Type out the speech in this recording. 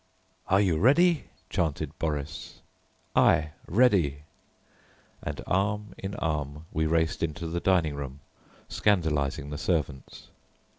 "Are you ready?" chanted Boris. "Aye ready;" and arm in arm we raced into the dining room, scandalizing the servants.